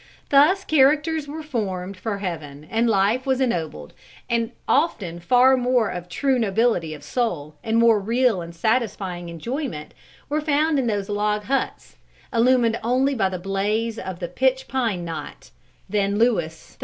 Thus characters were formed for heaven, and life was ennobled, and often far more of true nobility of soul and more real and satisfying enjoyment were found in those log huts, illumined only by the blaze of the pitch pine knot, than Louis XIV.